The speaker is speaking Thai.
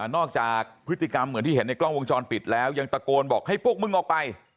จากพฤติกรรมเหมือนที่เห็นในกล้องวงจรปิดแล้วยังตะโกนบอกให้พวกมึงออกไป